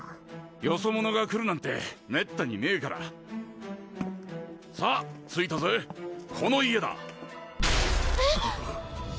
よそ者が来るなんてめったにねえからさあ着いたぜこの家だえっ！？